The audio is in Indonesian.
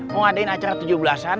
mau ngadain acara tujuh belasan